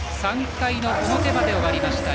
３回の表まで終わりました。